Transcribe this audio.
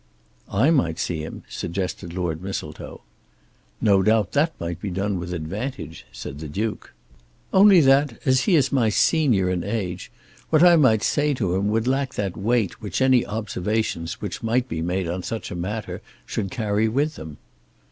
"I might see him," suggested Lord Mistletoe. "No doubt that might be done with advantage," said the Duke. "Only that, as he is my senior in age, what I might say to him would lack that weight which any observations which might be made on such a matter should carry with them."